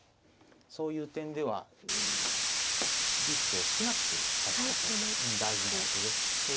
そういう点ではリスクを少なくする指し方が大事なわけで。